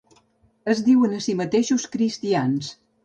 Es diuen a si mateixos cristians.